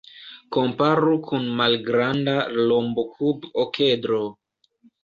Komparu kun malgranda rombokub-okedro.